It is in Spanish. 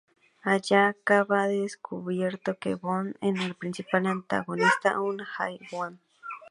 Aya acaba descubriendo que Bohr es el principal antagonista, un High One.